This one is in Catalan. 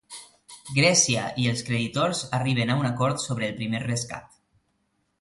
Grècia i els creditors arriben a un acord sobre el primer rescat.